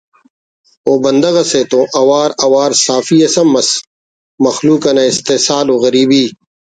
ءُ بندغ اسے تون اوار اوار صحافی اس ہم ئس مخلوق نا استحصال و غریبی